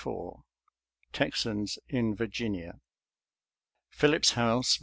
XXIV TBXANS IN VIEGINIA Phillips House, Va.